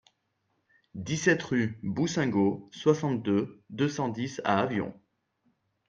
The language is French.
dix-sept rue Boussingault, soixante-deux, deux cent dix à Avion